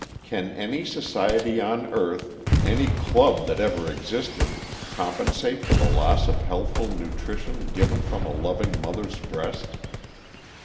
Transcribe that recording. Can any society on earth, any club that ever existed, compensate for the loss of healthful nutrition given from a loving mother's breast?